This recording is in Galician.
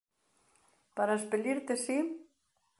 Para espelirte, si?